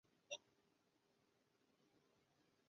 李英爱也拍摄了很多商业广告片。